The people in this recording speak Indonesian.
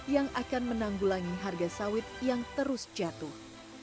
yang akan menanggulangi harga sawit yang terus jatuh